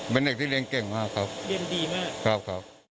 เป็นเด็กที่เรียนเก่งมากครับครับครับเรียนดีมาก